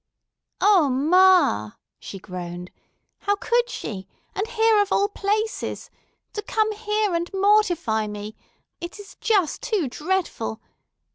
"O ma!" she groaned. "How could she? And here of all places! To come here and mortify me! It is just too dreadful.